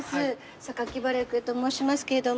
榊原郁恵と申しますけれども。